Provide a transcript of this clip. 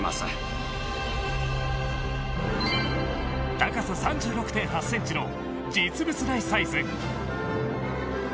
高さ３６．８ｃｍの実物大サイズ。